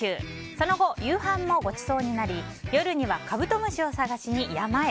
その後、夕飯もごちそうになり夜にはカブトムシを探しに山へ。